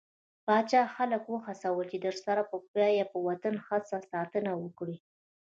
پاچا خلک له وهڅول، چې د سر په بيه د وطن څخه ساتنه وکړي.